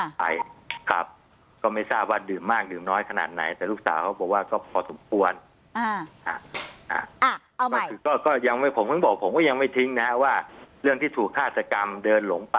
ก่อนไปครับก็ไม่ทราบว่าดื่มมากดื่มน้อยขนาดไหน